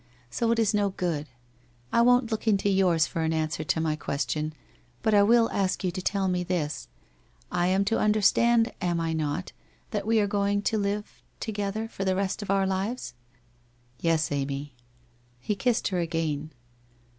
So it is no good. I won't look into yours for an answer to my question, but I will ask you to tell me this? I am to understand, am I not, that we are going to be together for the rest of our lives ?'' Yes, Amy/ He kissed her again.